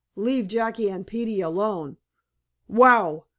Leave Jackie and Peetie alone! Wow!